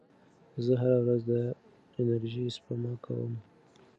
زه هره ورځ د انرژۍ سپما کوم.